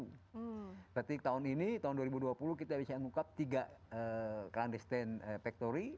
berarti tahun ini tahun dua ribu dua puluh kita bisa mengungkap tiga krandestain factory